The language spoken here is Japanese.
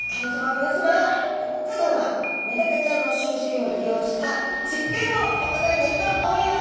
皆さまここからはメダカちゃんの習性を利用した実験を行いたいと思います！